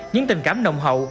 những tình cảm đồng hậu